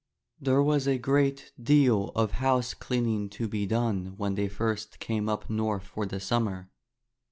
There was a great deal of house cleaning to be done when they first came up north for the summer.